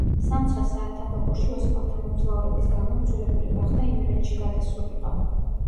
სამცხე-საათაბაგოში ოსმალთა მომძლავრების გამო იძულებული გახდა იმერეთში გადასულიყო.